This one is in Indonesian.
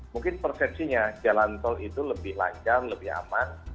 mungkin persepsinya jalan tol itu lebih lancar lebih aman